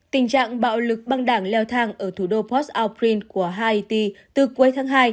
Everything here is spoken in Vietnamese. tình trạng bạo lực băng đảng leo thang ở thủ đô port au prince của haiti từ cuối tháng hai